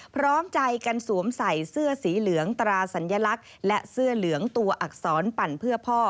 พร้อมใจกันสวมใส่เสื้อสีเหลืองตราสัญลักษณ์และเสื้อเหลืองตัวอักษรปั่นเพื่อพ่อ